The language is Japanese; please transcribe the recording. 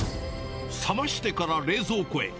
冷ましてから冷蔵庫へ。